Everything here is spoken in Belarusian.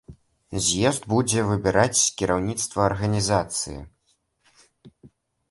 З'езд будзе выбіраць кіраўніцтва арганізацыі.